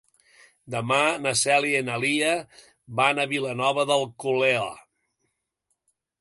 Demà na Cèlia i na Lia van a Vilanova d'Alcolea.